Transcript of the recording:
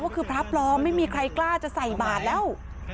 ก็คือพระปลอมไม่มีใครกล้าจะใส่บาทแล้ว